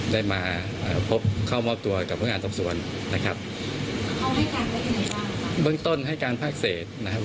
ได้มาพบเข้ามอบตัวกับพนักงานสอบสวนนะครับเบื้องต้นให้การภาคเศษนะครับ